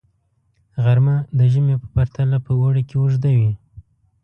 غرمه د ژمي په پرتله په اوړي کې اوږده وي